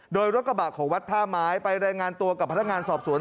โดยรถกระบะของวัดท่าไม้ไปรายงานตัวกับพนักงานสอบสวน